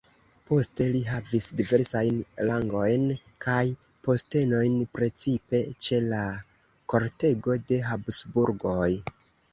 Poste li havis diversajn rangojn kaj postenojn precipe ĉe la kortego de Habsburgoj.